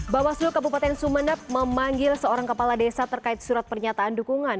bawaslu kabupaten sumeneb memanggil seorang kepala desa terkait surat pernyataan dukungan